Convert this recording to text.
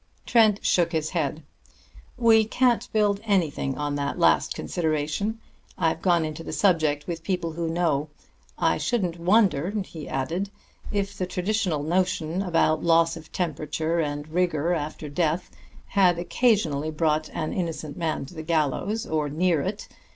Trent shook his head. "We can't build anything on that last consideration. I've gone into the subject with people who know. I shouldn't wonder," he added, "if the traditional notions about loss of temperature and rigor after death had occasionally brought an innocent man to the gallows, or near it.